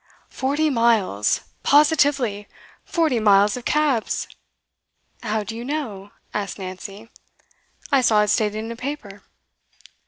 'Forty miles positively! Forty miles of cabs!' 'How do you know?' asked Nancy. 'I saw it stated in a paper.